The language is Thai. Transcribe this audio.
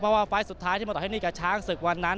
เพราะว่าไฟล์สุดท้ายที่มาต่อให้นี่กับช้างศึกวันนั้น